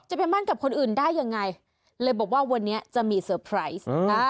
ไปมั่นกับคนอื่นได้ยังไงเลยบอกว่าวันนี้จะมีเซอร์ไพรส์